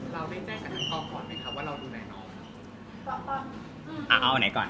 เราได้แจ้งกับทางกรอบก่อนไหมครับว่าเราดูแลน้อง